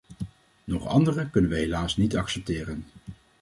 Nog andere kunnen we helaas niet accepteren.